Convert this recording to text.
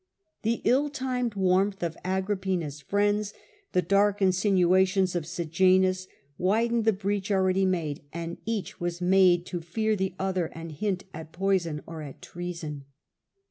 The ill timed warmth of Agrippina's friends, the and widened insinuations of Sejanus, widened the the breach breach already made, and each was made to Tiberfusand fear the Other and hint at poison or at treason.